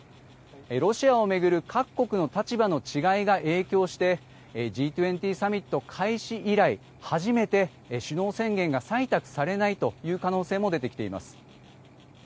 ロシアを巡る各国の立場の違いが影響してＧ２０サミット開始以来初めて首脳宣言が採択されないという可能性も出てきています。